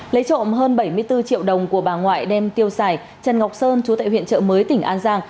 lấy trộm hơn bảy mươi bốn triệu đồng của bà ngoại đem tiêu xài trần ngọc sơn chú tại huyện trợ mới tỉnh an giang